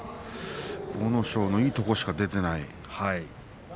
阿武咲のいいところしか出ていない。